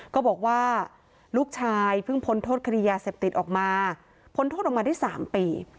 ก็บอกว่าลูกชายเพิ่งพ้นโทษคดียาเสพติดออกมาพ้นโทษออกมาได้๓ปี